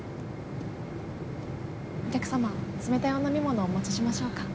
お客様冷たいお飲み物をお持ちしましょうか？